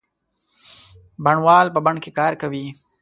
بڼوال په بڼ کې کار کوي.